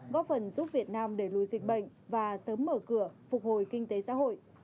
góp phần giúp việt nam đẩy lùi dịch bệnh và sớm mở cửa phục hồi kinh tế xã hội